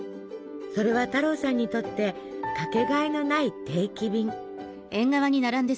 それは太郎さんにとって掛けがえのない「定期便」。